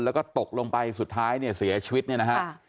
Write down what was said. แล้วก็ตกลงไปสุดท้ายเนี่ยเสียชีวิตเนี่ยนะฮะ